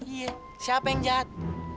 iya siapa yang jahat